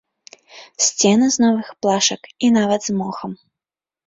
Сцены з новых плашак і нават з мохам.